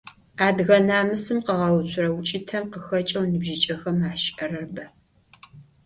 Адыгэ намысым къыгъэуцурэ укӀытэм къыхэкӀэу ныбжьыкӀэхэм ащыӀэрэр бэ.